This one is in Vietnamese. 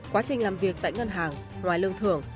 quá trình làm việc tại ngân hàng ngoài lương thưởng